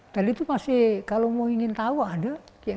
tadi itu masih kalau mau ingin tawa ada